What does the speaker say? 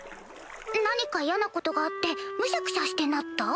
何か嫌なことがあってムシャクシャしてなった？